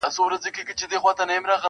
هره ګیله دي منم ګرانه پر ما ښه لګیږي -